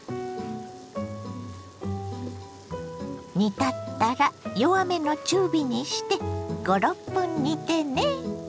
煮立ったら弱めの中火にして５６分煮てね。